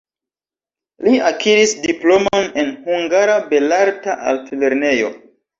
Li akiris diplomon en Hungara Belarta Altlernejo.